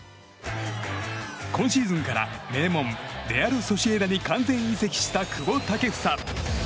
今シーズンから名門レアル・ソシエダに完全移籍した久保建英。